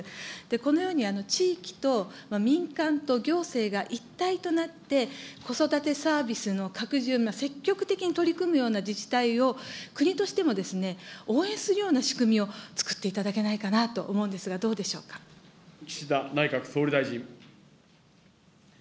このように地域と民間と行政が一体となって、子育てサービスの拡充に積極的に取り組むような自治体を、国としても応援するような仕組みをつくっていただけないかなと思岸田内閣総理大臣。